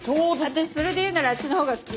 私それで言うならあっちのほうが好き。